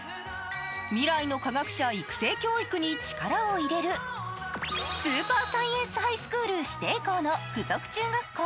未来の科学者育成教育に力を入れるスーパーサイエンスハイスクール指定校の附属中学校。